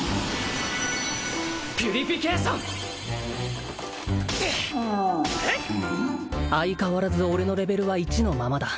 ピュリフィケイション相変わらず俺のレベルは１のままだ